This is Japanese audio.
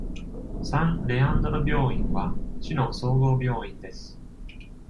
サン・レアンドロ病院は、市の総合病院です。